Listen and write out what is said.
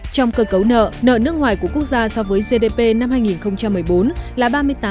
trong cơ cấu nợ nợ nước ngoài của quốc gia so với gdp năm hai nghìn một mươi bốn là ba mươi tám